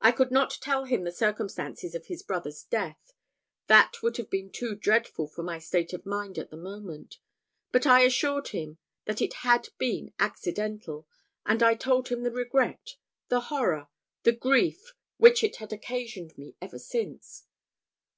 I could not tell him the circumstances of his brother's death that would have been too dreadful for my state of mind at the moment; but I assured him that it had been accidental; and I told him the regret, the horror, the grief, which it had occasioned me ever since.